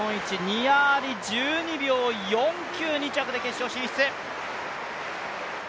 ニア・アリ１２秒４９、２着で決勝進出。